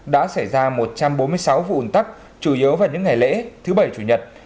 đã xảy ra một trăm bốn mươi sáu vụ ủn tắc chủ yếu vào những ngày lễ thứ bảy chủ nhật